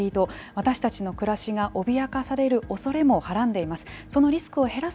私たちの暮らしが脅かされるおそれもはらんでいます。